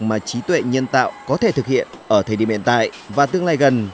mà trí tuệ nhân tạo có thể thực hiện ở thời điểm hiện tại và tương lai gần